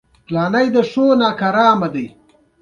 زه د شپې درس ویل غوره ګڼم.